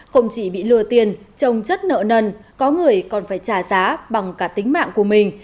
không chỉ bị lừa tiền trồng chất nợ nần có người còn phải trả giá bằng cả tính mạng của mình